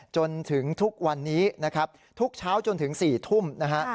จนถึงทุกวันนี้นะครับทุกเช้าจนถึง๔ทุ่มนะฮะ